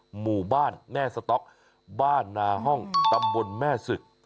หมู่บ้านแม่สต๊อกบ้านนาห้องตำบลแม่ศึก